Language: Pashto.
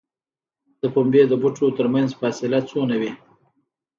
د پنبې د بوټو ترمنځ فاصله څومره وي؟